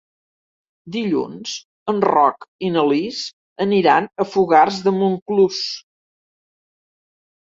Dilluns en Roc i na Lis aniran a Fogars de Montclús.